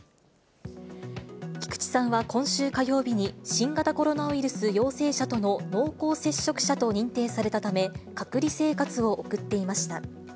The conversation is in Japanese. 菊池さんは今週火曜日に新型コロナウイルス陽性者との濃厚接触者と認定されたため、隔離生活を送っていました。